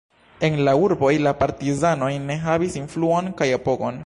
En la urboj la partizanoj ne havis influon kaj apogon.